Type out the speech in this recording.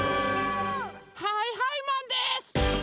はいはいマンです！